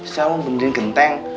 saya mau benderin genteng